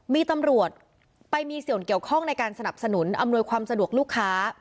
มีตำรวจไปมีส่วนเกี่ยวข้องในการสนับสนุนอำนวยความสะดวกลูกค้า